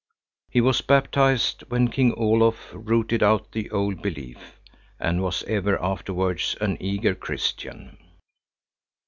He was baptized when King Olof rooted out the old belief, and was ever afterwards an eager Christian.